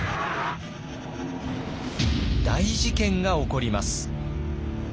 大事件が起こります。